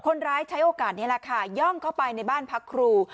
ใช้โอกาสนี้แหละค่ะย่องเข้าไปในบ้านพักครู